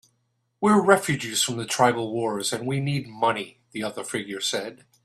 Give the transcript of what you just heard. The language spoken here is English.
"We're refugees from the tribal wars, and we need money," the other figure said.